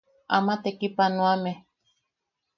Ama tekipanoame.